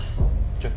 ちょっ。